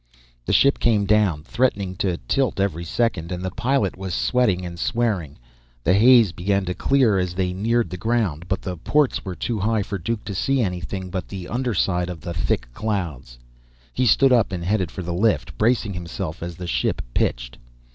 The ship came down, threatening to tilt every second, and the pilot was sweating and swearing. The haze began to clear as they neared the ground, but the ports were too high for Duke to see anything but the underside of the thick clouds. He stood up and headed for the lift, bracing himself as the ship pitched.